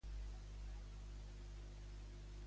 Quines causes creu que són les actives que l'han perjudicat?